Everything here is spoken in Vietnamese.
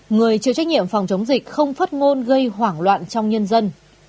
người chịu trách nhiệm phòng chống dịch không phát ngôn gây hoảng loạn trong nhân dân